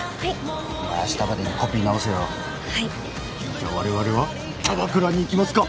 じゃあ我々はキャバクラに行きますか！